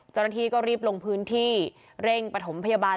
เจ้าหน้าที่ก็รีบลงพื้นที่เร่งปฐมพยาบาล